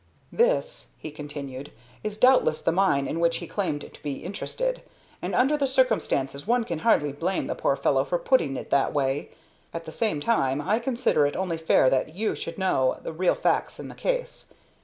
"This" [he continued] "is doubtless the mine in which he claimed to be interested, and under the circumstances one can hardly blame the poor fellow for putting it in that way. At the same time, I consider it only fair that you should know the real facts in the case.